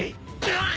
あっ！